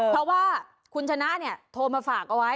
เพราะว่าคุณชนะโทรมาฝากเอาไว้